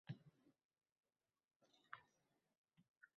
Chunki nozik farqlar ba’zan ko‘p narsani hal qiladi.